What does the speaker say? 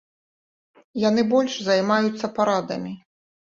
Яны больш займаюцца парадамі.